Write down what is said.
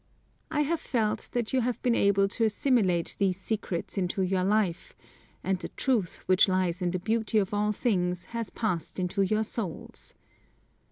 I have felt that you have been able to assimilate these secrets into your life, and the truth which lies in the beauty of all things has passed into your souls.